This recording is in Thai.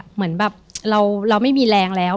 เหมือนแบบเราไม่มีแรงแล้ว